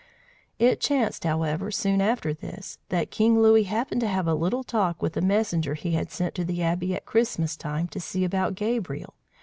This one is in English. It chanced, however, soon after this, that King Louis happened to have a little talk with the messenger he had sent to the Abbey at Christmas time to see about Gabriel.